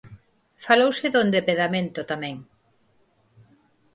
Falouse do endebedamento tamén.